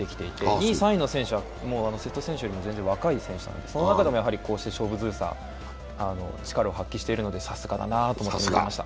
２位、３位の選手たちは瀬戸選手より全然若い選手なので、その中でこうして勝負強さ、力を発揮しているのでさすがだなと思いました。